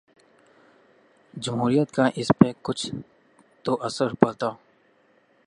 جمہوریت کا اس پہ کچھ تو اثر پڑتا۔